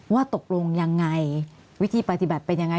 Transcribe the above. ว่าตกลงยังไงวิธีปฏิบัติเป็นยังไง